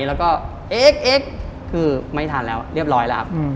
แล้วก็เอ็กเอ็กซ์คือไม่ทานแล้วเรียบร้อยแล้วครับ